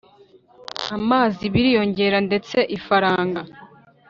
Amazi biriyongera ndetse ifaranga